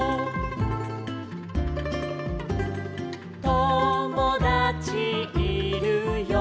「ともだちいるよ」